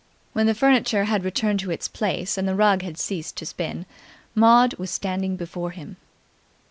When the furniture had returned to its place and the rug had ceased to spin, Maud was standing before him.